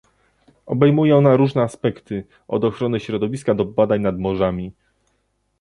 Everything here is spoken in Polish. obejmuje ona różne aspekty, od ochrony środowiska do badań nad morzami